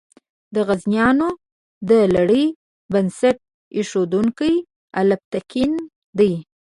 د غزنویانو د لړۍ بنسټ ایښودونکی الپتکین دی.